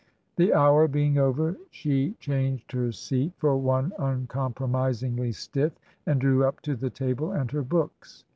The hour being over, she changed her seat for one uncompromisingly stiff, and drew up to the table and her books.